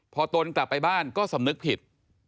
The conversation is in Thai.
พอตนกลับไปบ้านก็สำนึกผิด